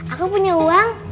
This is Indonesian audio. aku punya uang